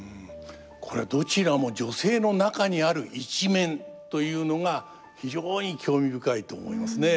これどちらも女性の中にある一面というのが非常に興味深いと思いますね。